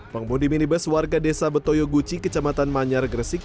pengbundi minibus warga desa betoyo gucci kecamatan manyar gresik